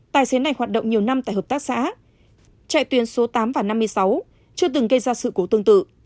tài xế này hoạt động nhiều năm tại hợp tác xã chạy tuyến số tám và năm mươi sáu chưa từng gây ra sự cố tương tự